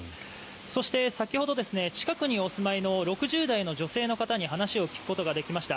そして先ほど近くにお住まいの６０代の女性の方に話を聞くことができました。